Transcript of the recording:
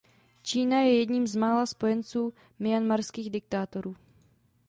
Čína je jedním z mála spojenců myanmarských diktátorů.